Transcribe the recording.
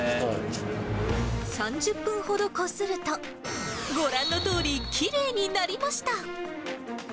３０分ほどこすると、ご覧のとおり、きれいになりました。